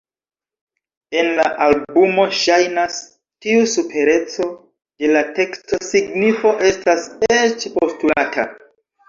En la albumo, ŝajnas, tiu supereco de la tekstosignifo estas eĉ postulata.